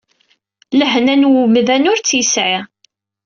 Lḥenna n wemdan ur tt-yesɛi.